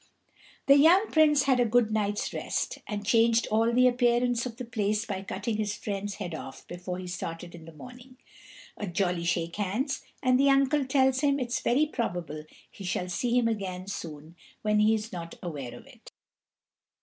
The young Prince had a good night's rest, and changed all the appearance of the place by cutting his friend's head off before he started in the morning. A jolly shake hands, and the uncle tells him it's very probable he shall see him again soon when he is not aware of it.